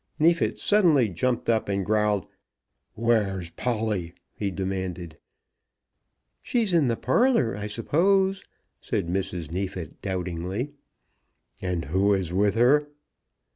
Neefit suddenly jumped up and growled. "Where's Polly?" he demanded. "She's in the parlour, I suppose," said Mrs. Neefit doubtingly. "And who is with her?"